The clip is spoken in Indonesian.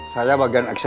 saya bagian eksekusi aja